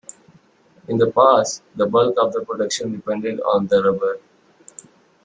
In the past, the bulk of the production depended on the rubber.